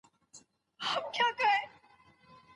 معنوي غنيمتونه دي، چي په نورو ځايو کي به